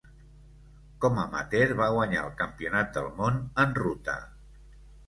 Com amateur, va guanyar el Campionat del món en ruta.